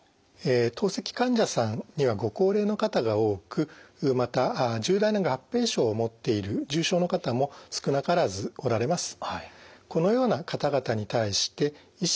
透析患者さんにはご高齢の方が多くまた重大な合併症を持っている重症の方も少なからずおられます。